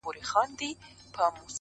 او ته خبر د کوم غریب د کور له حاله یې!!